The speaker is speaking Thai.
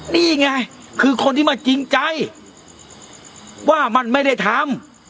นี่ไงคือคนที่มาจริงใจว่ามันไม่ได้ทำ